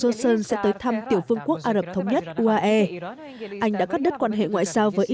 johnson sẽ tới thăm tiểu phương quốc ả rập thống nhất anh đã cắt đứt quan hệ ngoại sao với